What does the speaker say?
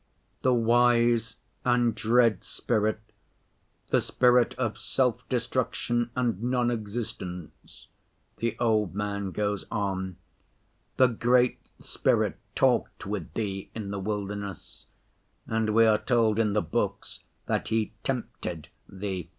" 'The wise and dread spirit, the spirit of self‐destruction and non‐ existence,' the old man goes on, 'the great spirit talked with Thee in the wilderness, and we are told in the books that he "tempted" Thee.